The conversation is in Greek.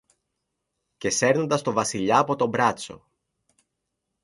Και σέρνοντας το Βασιλιά από το μπράτσο